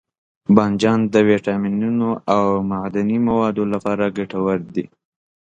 بانجان د ویټامینونو او معدني موادو لپاره ګټور دی.